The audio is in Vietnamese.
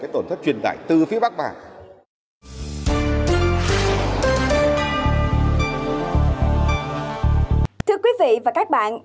thưa quý vị và các bạn